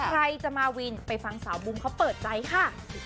ใครจะมาวินไปฟังสาวบุมเขาเปิดใจค่ะ